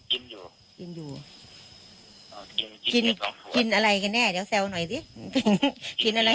พี่หวันอยู่ในปากไหนผมก็เลี้ยงเขาได้